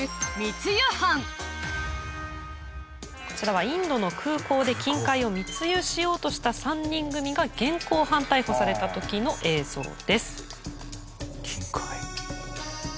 こちらはインドの空港で金塊を密輸しようとした３人組が現行犯逮捕された時の映像です。